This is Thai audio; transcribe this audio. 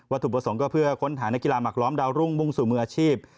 ถูกประสงค์ก็เพื่อค้นหานักกีฬาหมักล้อมดาวรุ่งมุ่งสู่มืออาชีพ